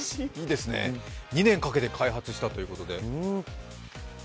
２年かけて開発したということで。